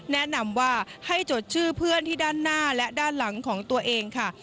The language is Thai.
แนะนำว่าให้จดชื่อเพื่อนที่ด้านหน้าและด้านหลังของตัวเองค่ะ